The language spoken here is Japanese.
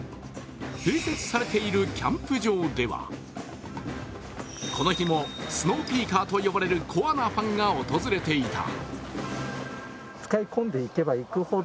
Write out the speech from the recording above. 併設されているキャンプ場ではこの日も、スノーピーカーと呼ばれるコアなファンが訪れていた。